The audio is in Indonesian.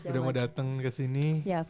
udah mau dateng kesini